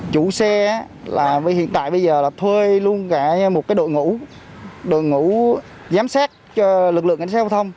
chủ xe hiện tại bây giờ thuê luôn cả một đội ngũ đội ngũ giám sát cho lực lượng ảnh sát giao thông